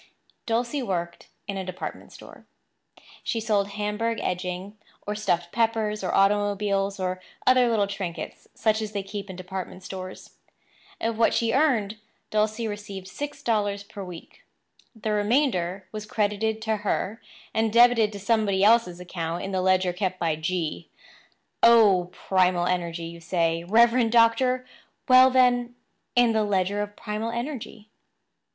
Dulcie worked in a department store. She sold Hamburg edging, or stuffed peppers, or automobiles, or other little trinkets such as they keep in department stores. Of what she earned, Dulcie received six dollars per week. The remainder was credited to her and debited to somebody else's account in the ledger kept by G–––– Oh, primal energy, you say, Reverend Doctor—Well then, in the Ledger of Primal Energy.